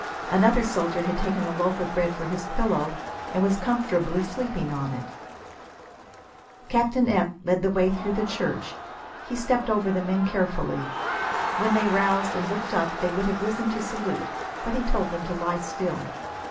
Another soldier had taken a loaf of bread for his pillow and was comfortably asleep on it. Captain F led the way through the church. He stepped over the men carefully. When they roused and looked up they would have risen to salute, but he told them to lie still.